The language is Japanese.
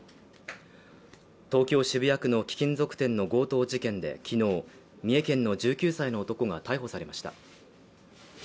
東京・渋谷区の貴金属店の強盗事件で昨日、三重県の１９歳の男が逮捕されました。